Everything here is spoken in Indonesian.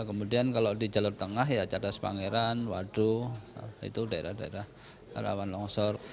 kemudian kalau di jalur tengah ya cadas pangeran waduh itu daerah daerah rawan longsor